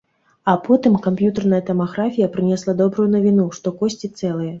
А потым камп'ютарная тамаграфія прынесла добрую навіну, што косці цэлыя.